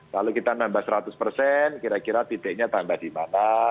kalau kita nambah seratus persen kira kira titiknya tambah di mana